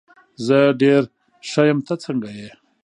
زه ډېر ښه یم، ته څنګه یې؟